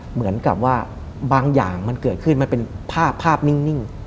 เหมือนกับว่าบางอย่างมันเกิดขึ้นมันเป็นภาพนิ่ง